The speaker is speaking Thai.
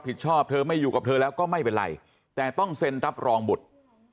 ชอบเธอไม่อยู่กับเธอแล้วก็ไม่เป็นไรแต่ต้องเซ็นรับรองบุตร